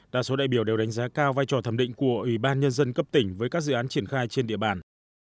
đa số đại biểu đều đánh giá cao vai trò thẩm định của ủy ban nhân dân cấp tỉnh với các dự án triển khai trên địa bàn